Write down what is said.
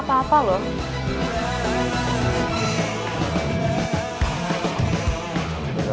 kath bonjak kayaknya